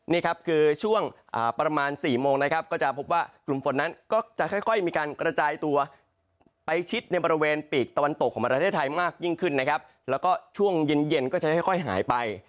นี่ครับคือช่วงประมาณ๔โมงนะครับก็จะพบว่ากลุ่มฝนนั้นก็จะค่อยมีการกระจายตัวไปชิดในบริเวณปีกตะวันตกของประเทศไทยมากยิ่งขึ้นนะครับแล้วก็ช่วงเย็นเย็นก็จะค่อยหายไป